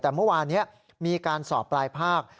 แต่เมื่อวานนี้มีการสอบปลายภาค